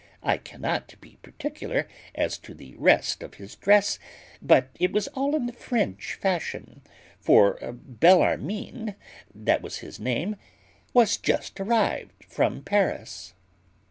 I cannot be particular as to the rest of his dress; but it was all in the French fashion, for Bellarmine (that was his name) was just arrived from Paris.